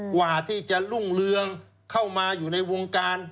กว่าที่จะรุ่งเรืองเข้ามาอยู่ในวงการ